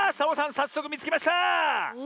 さっそくみつけました！え？